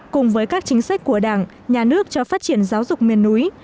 cùng với các chính sách của đảng nhà nước cho phát triển giáo dục miền núi